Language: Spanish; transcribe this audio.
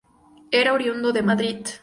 Era oriundo de Madrid.